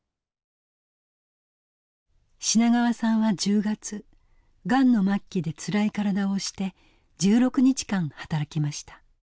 品川さんは１０月がんの末期でつらい体を押して１６日間働きました。